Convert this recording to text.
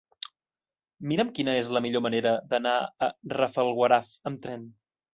Mira'm quina és la millor manera d'anar a Rafelguaraf amb tren.